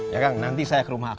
ya kang nanti saya ke rumah